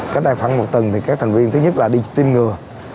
cách đây khoảng một tuần thì các thành viên thứ nhất là đi tiêm ngừa